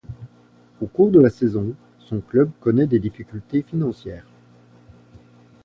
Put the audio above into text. Au cours de la saison, son club connaît des difficultés financières.